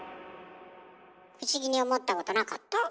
不思議に思ったことなかった？